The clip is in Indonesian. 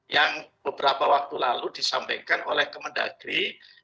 yang beberapa waktu lalu disampaikan oleh kemendagri